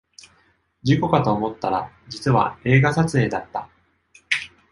事故かと思ったら実は映画撮影だった